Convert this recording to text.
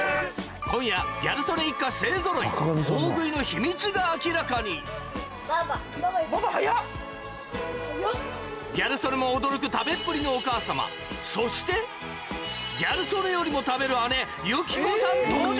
今夜ギャル曽根一家勢ぞろい大食いの秘密が明らかにギャル曽根も驚く食べっぷりのお母さまそしてギャル曽根よりも食べる姉由輝子さん登場